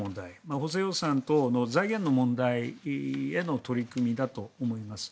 補正予算等の財源の問題への取り組みだと思います。